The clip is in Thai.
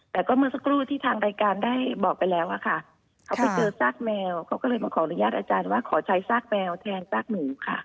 แต่ก็เมื่อสักครู่ที่ทางรายการได้บอกไปแล้วอะค่ะเขาไปเจอซากแมวเขาก็เลยมาขออนุญาตอาจารย์ว่าขอใช้ซากแมวแทนซากหนูค่ะ